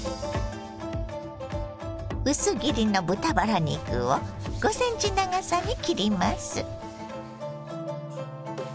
薄切りの豚バラ肉を５ｃｍ長さに切ります。